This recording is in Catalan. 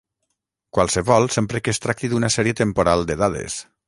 Qualsevol, sempre que es tracti d'una sèrie temporal de dades.